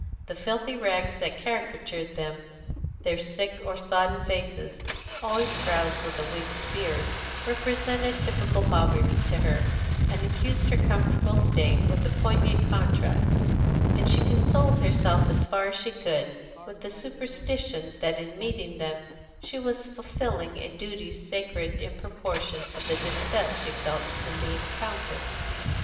The filthy rags that caricatured them, their sick or sodden faces, always frowsed with a week's beard, represented typical poverty to her, and accused her comfortable state with a poignant contrast; and she consoled herself as far as she could with the superstition that in meeting them she was fulfilling a duty sacred in proportion to the disgust she felt in the encounter.